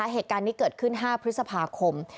เหตุการณ์นี้เกิดขึ้น๕พฤษภาคม